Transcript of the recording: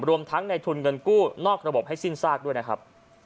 รวมทั้งในทุนเงินกู้นอกระบบให้สิ้นซากด้วยนะครับ